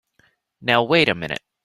Now wait a minute!